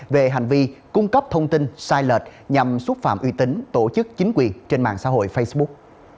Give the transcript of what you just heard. về hành vi cung cấp thông tin sai lệch nhằm xúc phạm uy tín tổ chức chính quyền trên mạng xã hội facebook